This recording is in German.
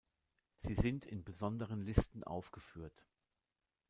Sie sind in besonderen Listen aufgeführt.